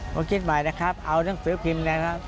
หัวคิดใหม่นะครับเอาทั้งฝีวพิมพ์นะครับ